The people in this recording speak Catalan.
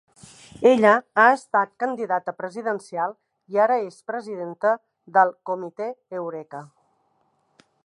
Ella ha estat candidata presidencial i ara és presidenta del Comité Eureka.